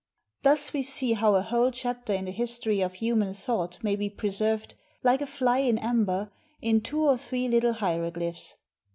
Thus we see how a whole chapter in the history of human thought may be preserved, like a fly in amber, in two or three little hieroglyphs.